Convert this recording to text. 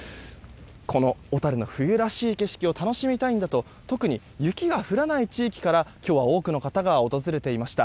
この小樽の冬らしい景色を楽しみたいんだと特に雪が降らない地域から今日は、多くの方が訪れていました。